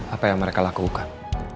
apa yang mereka lakukan